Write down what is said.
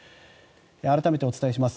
改めてお伝えします。